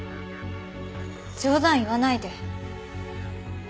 冗談言わないで。